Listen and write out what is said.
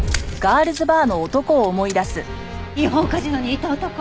違法カジノにいた男！